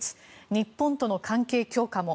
日本との関係強化も。